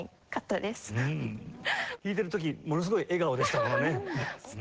弾いてる時ものすごい笑顔でしたものね。